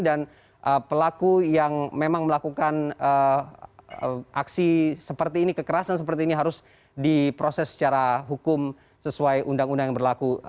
dan pelaku yang memang melakukan aksi seperti ini kekerasan seperti ini harus diproses secara hukum sesuai undang undang yang berlaku